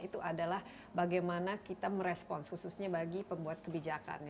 itu adalah bagaimana kita merespons khususnya bagi pembuat kebijakan